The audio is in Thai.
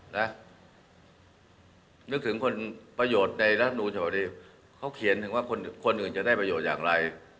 นึกถึงคนประโยชน์ในรัฐมนูญฉบับนี้เขาเขียนถึงว่าคนอื่นจะได้ประโยชน์อย่างไร